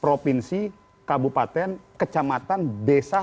provinsi kabupaten kecamatan desa sampai tps